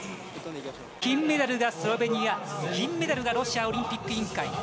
金メダルがスロベニア銀メダルがロシアオリンピック委員会。